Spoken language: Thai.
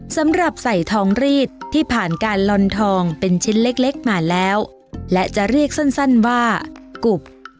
สำหรับใส่ทองรีดที่ผ่านการลอนทองเป็นชิ้นเล็กเล็กมาแล้วและจะเรียกสั้นว่ากุบ